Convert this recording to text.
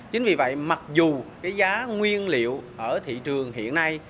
chính vì vậy mặc dù cái giá nguyên liệu ở thị trường hiện nay